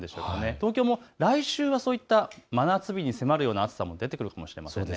東京も来週はそういった真夏日に迫るような暑さが出てくるかもしれません。